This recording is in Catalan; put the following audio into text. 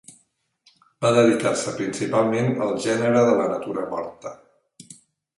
Va dedicar-se principalment al gènere de la natura morta.